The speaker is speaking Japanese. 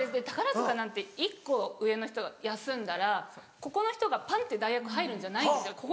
宝塚なんて１個上の人が休んだらここの人がパンって代役入るんじゃないんですよ。